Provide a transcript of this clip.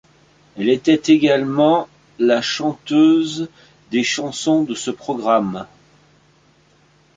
Elle était également la chanteuse des chansons de ce programme.